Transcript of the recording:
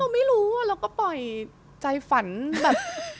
ไม่รู้เราก็ปล่อยใจฝันแบบ